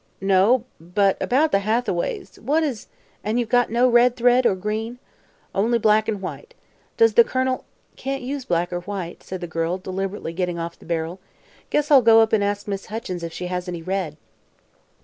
"No. But about the Hathaways; what has " "And you've got no red thread? Or green?" "Only black an' white. Does the Colonel " "Can't use black or white," said the girl, deliberately getting off the barrel. "Guess I'll go up and ask Miss Huckins if she has any red."